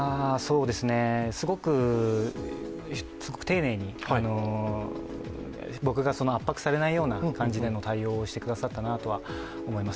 すごく丁寧に、僕が圧迫されないような感じでの対応をしてくださったなとは思います。